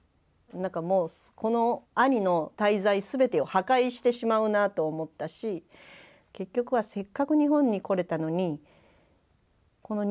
何かもうこの兄の滞在すべてを破壊してしまうなと思ったし結局はせっかく日本に来れたのにこの日本に来てまで緊張させたりね。